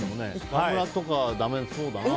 川村とかだめそうだな。